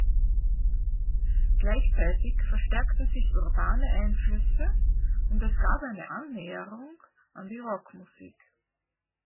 Gleichzeitig verstärkten sich urbane Einflüsse, und es gab eine Annäherung an die Rock-Musik.